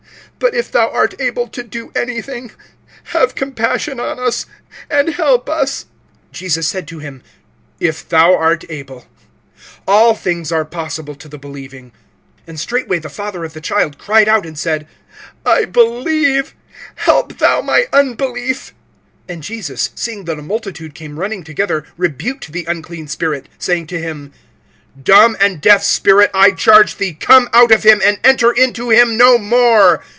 But if thou art able to do anything, have compassion on us, and help us. (23)Jesus said to him: If thou art able! All things are possible to the believing. (24)And straightway the father of the child cried out, and said: I believe; help thou my unbelief. (25)And Jesus, seeing that a multitude came running together, rebuked the unclean spirit, saying to him: Dumb and deaf spirit, I charge thee, come out of him, and enter into him no more.